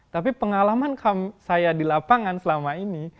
tapi pengalaman saya di lapangan selama ini